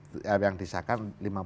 tetapi yang disahkan lima puluh dua